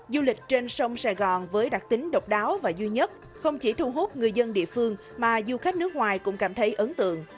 du lịch trên sông sài gòn với đặc tính độc đáo và duy nhất không chỉ thu hút người dân địa phương mà du khách nước ngoài cũng cảm thấy ấn tượng